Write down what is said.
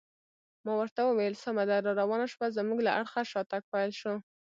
ما ورته وویل: سمه ده، راروانه شپه زموږ له اړخه شاتګ پیل شو.